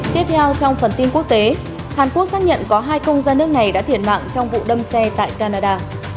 tiếp theo trong phần tin quốc tế hàn quốc xác nhận có hai công dân nước này đã thiệt mạng trong vụ đâm xe tại canada